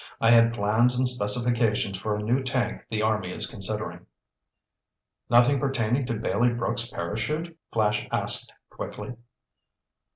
I had plans and specifications for a new tank the army is considering." "Nothing pertaining to Bailey Brooks' parachute?" Flash asked quickly.